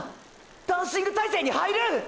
ダンシング体勢に入る！！